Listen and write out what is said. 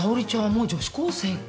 もう女子高生か。